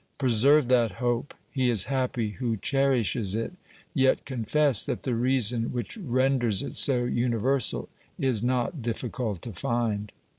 Preserve that hope : he is happy who cherishes it. Yet confess that the reason which renders it so universal is not difficult to find.